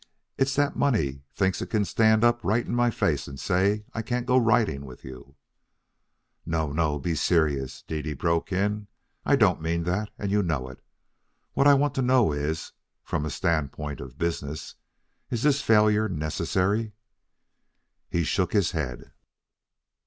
If that money thinks it can stand up right to my face and say I can't go riding with you " "No, no; be serious," Dede broke in. "I don't mean that, and you know it. What I want to know is, from a standpoint of business, is this failure necessary?" He shook his head.